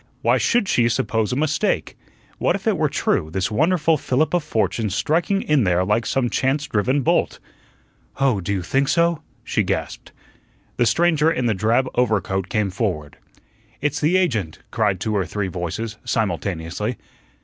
Why should she suppose a mistake? What if it were true, this wonderful fillip of fortune striking in there like some chance driven bolt? "Oh, do you think so?" she gasped. The stranger in the drab overcoat came forward. "It's the agent," cried two or three voices, simultaneously.